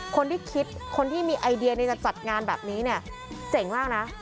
คนที่คิดคนที่มีไอเดียจะจัดงานแบบนี้เนี่ยเจ๋งมากนะ